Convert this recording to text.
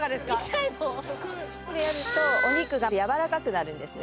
痛いもんこれやるとお肉がやわらかくなるんですね